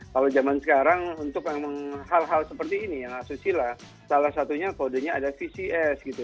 kalau zaman sekarang untuk hal hal seperti ini yang asusila salah satunya kodenya ada vcs gitu